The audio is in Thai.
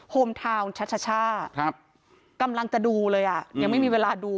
โฮมทาวน์ชัชช่ากำลังจะดูเลยอ่ะยังไม่มีเวลาดู